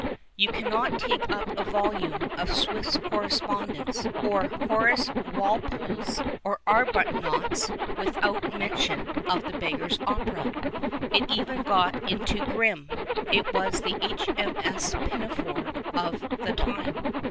You cannot take up a vohuiie of Swift's correspondence, or Horace Walpole's or Arbuthnot's, without men tion of The Beggar's Opera. It even got into Grimm. It was the II. M.S. Pinafore of the time.